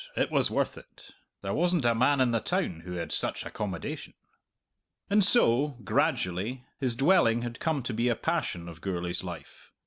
it was worth it. There wasn't a man in the town who had such accommodation! And so, gradually, his dwelling had come to be a passion of Gourlay's life.